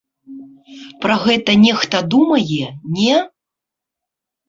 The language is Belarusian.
Пра гэта нехта думае, не?